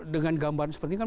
dengan gambar seperti ini